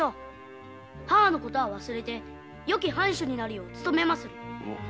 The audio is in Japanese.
母の事は忘れよき藩主になるよう勤めまする。